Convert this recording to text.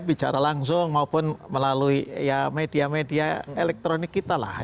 bicara langsung maupun melalui media media elektronik kita lah